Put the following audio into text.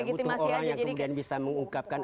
butuh orang yang kemudian bisa mengungkapkan